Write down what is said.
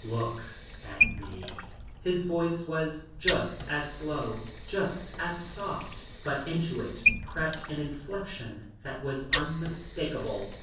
"Look at me." His voice was just as slow, just as soft, but into it had crept an inflection that was unmistakable.